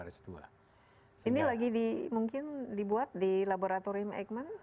ini lagi di mungkin dibuat di laboratorium eijkman